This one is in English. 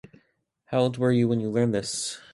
How old were you when you learned this?